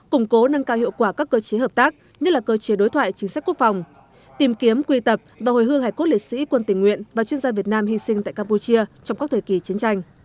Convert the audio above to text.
củng cố nâng cao hiệu quả các cơ chế hợp tác như là cơ chế đối thoại chính sách quốc phòng tìm kiếm quy tập và hồi hương hải quốc lễ sĩ quân tình nguyện và chuyên gia việt nam hy sinh tại campuchia trong các thời kỳ chiến tranh